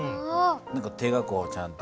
何か手がこうちゃんと。